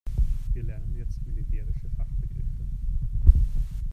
Wir lernen jetzt militärische Fachbegriffe.